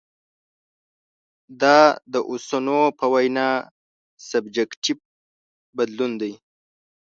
دا د اوسنو په وینا سبجکټیف بدلون دی.